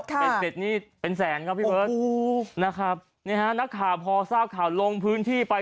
เป็นเศรษฐ์นี้เป็นแสนครับพี่เบิร์ชนักข่าวพอทราบข่าวลงพื้นที่ไป